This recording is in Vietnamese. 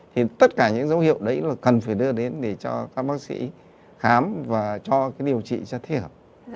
thì tất cả những dấu hiệu đấy là cần phải đưa đến để cho các bác sĩ khám và cho cái điều trị cho thi hợp